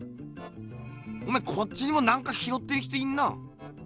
おめぇこっちにもなんか拾ってる人いんな。